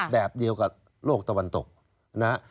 แบบเดียวกับโลกตะวันตกนะฮะ